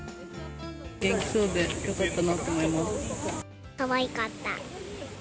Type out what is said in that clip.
元気そうでよかったなと思いかわいかった。